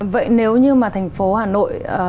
vậy nếu như mà thành phố hà nội